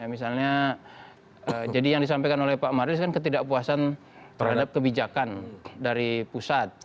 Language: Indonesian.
misalnya jadi yang disampaikan oleh pak marius kan ketidakpuasan terhadap kebijakan dari pusat